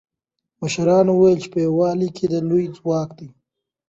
مشرانو وویل چې په یووالي کې لوی ځواک دی.